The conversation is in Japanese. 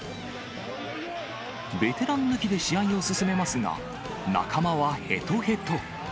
ベテラン抜きで試合を進めますが、仲間はへとへと。